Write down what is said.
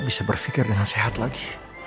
kamu gak bisa berpikir dengan sehat lagi